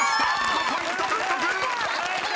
５ポイント獲得！］